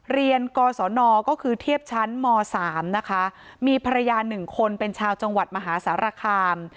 เรียนกศนก็คือเทียบชั้นม๓นะคะมีภรรยาหนึ่งคนเป็นชาวจังหวัดมหาสารคาม